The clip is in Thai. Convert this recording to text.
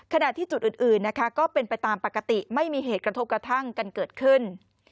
ขณะที่จุดอื่นนะคะก็เป็นไปตามปกติไม่มีเหตุกระทบกระทั่งกันเกิดขึ้น